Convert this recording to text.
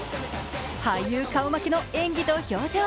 俳優顔負けの演技と表情。